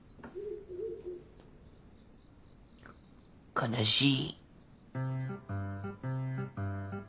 悲しい。